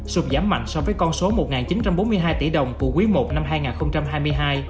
sụt giảm mạnh so với con số một chín trăm bốn mươi hai tỷ đồng của quý i năm hai nghìn hai mươi hai